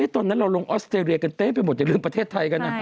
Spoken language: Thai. ตอนนั้นเราลงออสเตรเลียกันเต๊ะไปหมดอย่าลืมประเทศไทยกันนะ